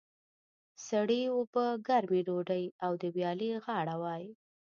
سړې اوبه، ګرمه ډودۍ او د ویالې غاړه وای.